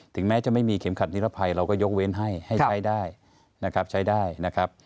ถึงแม้จะไม่มีเข็มขัดนิรภัยเราก็ยกเว้นให้ใช้ได้นะครับ